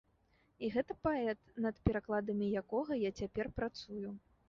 І гэта паэт, над перакладамі якога я цяпер працую.